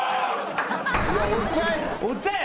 お茶や。